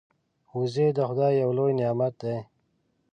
وزې د خدای یو لوی نعمت دی